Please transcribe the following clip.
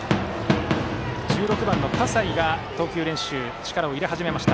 １６番の葛西が投球練習に力を入れ始めました。